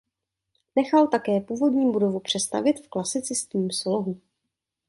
Nechal také původní budovu přestavět v klasicistním slohu.